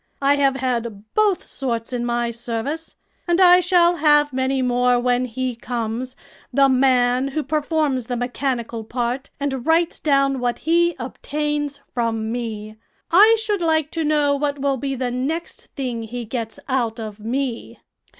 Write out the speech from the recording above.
I have had both sorts in my service, and I shall have many more when he comes the man who performs the mechanical part and writes down what he obtains from me. I should like to know what will be the next thing he gets out of me."